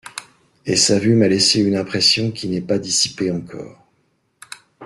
Et sa vue m'a laissé une impression qui n'est pas dissipée encore.